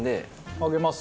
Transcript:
上げます。